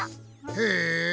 へえ。